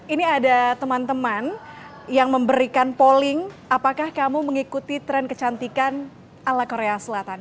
ini ada teman teman yang memberikan polling apakah kamu mengikuti tren kecantikan ala korea selatan